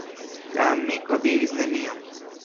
La amiko diris nenion.